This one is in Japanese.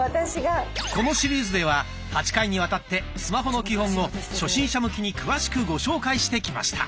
このシリーズでは８回にわたってスマホの基本を初心者向きに詳しくご紹介してきました。